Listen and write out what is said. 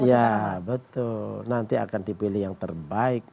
iya betul nanti akan dipilih yang terbaik